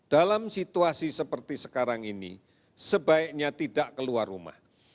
dalam situasi seperti sekarang ini sebaiknya tidak keluar rumah